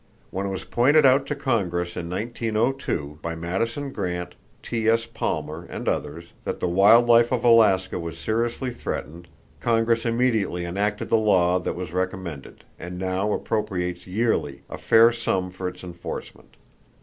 When it was pointed out to Congress in 1902, by Madison Grant, T.S. Palmer and others that the wild life of Alaska was seriously threatened, Congress immediately enacted the law that was recommended, and now appropriates yearly a fair sum for its enforcement.